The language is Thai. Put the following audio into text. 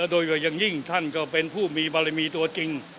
โดยอย่างยิ่งท่านก็เป็นผู้มีบารมีตัวจริง